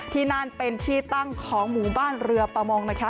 ที่นั่นเป็นที่ตั้งของหมู่บ้านเรือประมงนะคะ